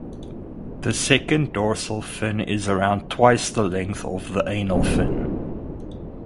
The second dorsal fin is around twice the length of the anal fin.